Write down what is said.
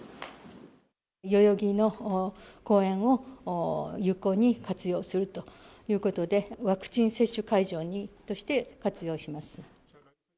代々木の公園を有効に活用するということで、ワクチン接種会場として活用します。